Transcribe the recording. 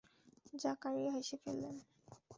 জাকারিয়া হেসে ফেললেন।